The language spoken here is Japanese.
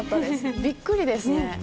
びっくりですね。